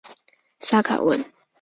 萨卡文。